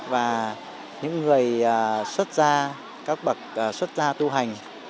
và những người xuất ra các bậc xuất ra tu hành